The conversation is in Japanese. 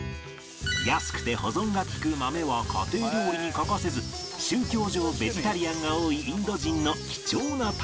安くて保存が利く豆は家庭料理に欠かせず宗教上ベジタリアンが多いインド人の貴重なタンパク源